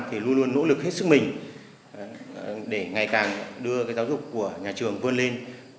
thì luôn luôn nỗ lực hết sức mình để ngày càng đưa cái giáo dục của nhà trường vươn lên